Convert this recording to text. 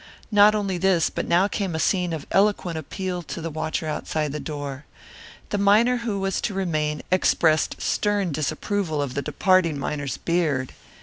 Not only this, but now came a scene of eloquent appeal to the watcher outside the door. The miner who was to remain expressed stern disapproval of the departing miner's beard.